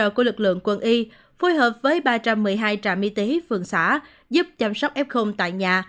hỗ trợ của lực lượng quân y phối hợp với ba trăm một mươi hai trại mi tế phường xã giúp chăm sóc f tại nhà